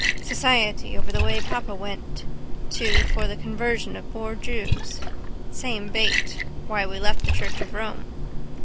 Society over the way papa went to for the conversion of poor jews. Same bait. Why we left the church of Rome.